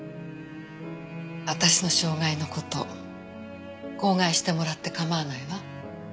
私の障害の事口外してもらって構わないわ。